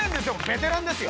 ベテランですよ！